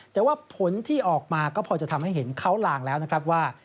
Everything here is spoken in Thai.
แต่ว่าผลที่ออกมาก็พอจะทำให้เห็นเขาลางแล้วนะครับว่า